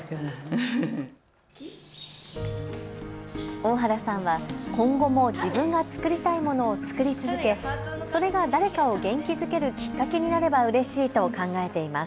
大原さんは今後も自分が作りたいものを作り続け、それが誰かを元気づけるきっかけになればうれしいと考えています。